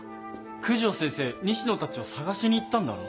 九条先生西野たちを捜しに行ったんだろ？